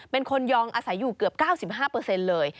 เป็นคนยองอาศัยอยู่เกือบ๙๕เลย